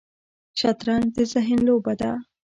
شطرنج د ذهن لوبه ده